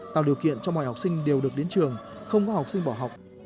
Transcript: tạo điều kiện cho mọi học sinh đều được đến trường không có học sinh bỏ học